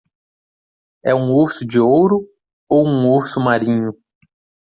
É um urso de ouro ou um urso marinho?